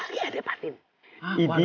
kali ini ada patin